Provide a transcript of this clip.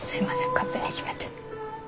勝手に決めて。